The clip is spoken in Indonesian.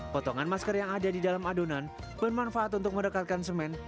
potongan masker yang ada di dalam adonan bermanfaat untuk merekatkan semen